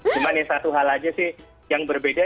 cuma ya satu hal aja sih yang berbeda